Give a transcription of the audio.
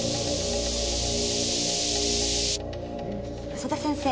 曽田先生。